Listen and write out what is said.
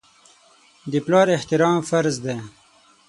د پلار احترام فرض دی.